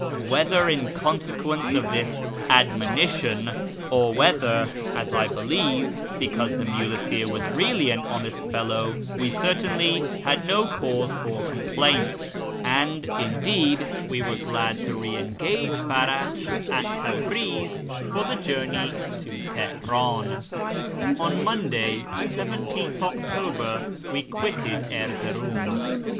" Whether in consequence of this " admonition," or whether, as I believe, because the muleteer was really an honest fellow, we certainly had no cause for complaint, and, indeed, were glad to re engage Farach at Tabriz for the journey to Teheran. On Monday, l7th October, we quitted Erzeroum.